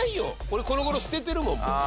俺この頃捨ててるもんもう。